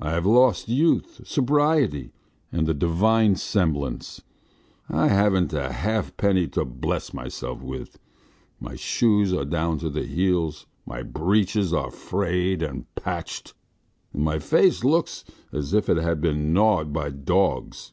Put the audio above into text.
I have lost youth, sobriety, and the divine semblance. ... I haven't a half penny to bless myself with, my shoes are down at heel, my breeches are frayed and patched, and my face looks as if it had been gnawed by dogs.